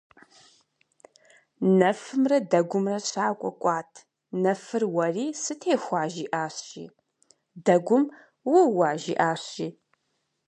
Нэфымрэ дэгумрэ щакӏуэ кӏуат. Нэфыр уэри: «сытехуа?» жиӏащ, жи. Дэгум: «ууа?» жиӏащ, жи.